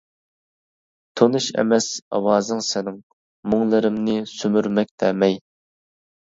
تونۇش ئەمەس ئاۋازىڭ سېنىڭ، مۇڭلىرىمنى سۈمۈرمەكتە مەي.